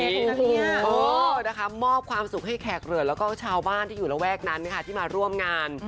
เออนะคะมอบความสุขให้แขกเหลือแล้วก็ชาวบ้านที่อยู่ระแวกนั้นค่ะที่มาร่วมงาน